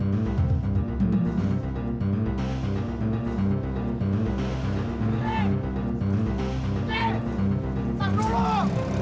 kukukan seorang raga yang punya banyak kapal